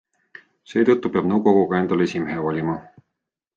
Seetõttu peab nõukogu ka endale esimehe valima.